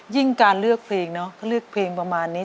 การเลือกเพลงเนาะก็เลือกเพลงประมาณนี้